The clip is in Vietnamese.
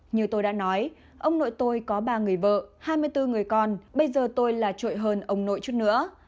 như tôi đã nói ông nội tôi có ba người vợ hai mươi bốn người con bây giờ tôi là trội hơn ông nội chút nữa